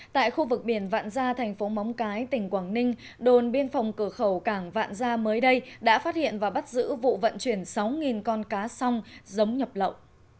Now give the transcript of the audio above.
tại khu vực biển vạn gia thành phố móng cái tỉnh quảng ninh đồn biên phòng cửa khẩu cảng vạn gia mới đây đã phát hiện và bắt giữ vụ vận chuyển sáu con cá song giống nhập lậu